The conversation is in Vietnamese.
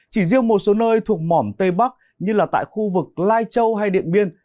chỉ riêng một số nơi thuộc mỏm tây bắc như là tại khu vực lai châu hay điện biên